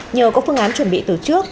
nhờ có phương án chuẩn bị từ trước